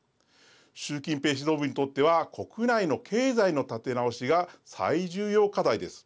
習近平指導部にとっては国内の経済の立て直しが最重要課題です。